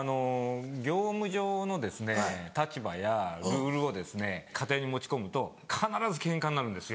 業務上の立場やルールを家庭に持ち込むと必ずケンカになるんですよ。